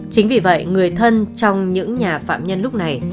chính vì vậy người thân trong những nhà phạm nhân lúc này